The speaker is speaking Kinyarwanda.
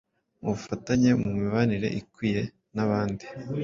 mu bufatanye, mu mibanire ikwiye n’abandi